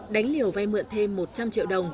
đánh liều vay mượn thêm một trăm linh triệu đồng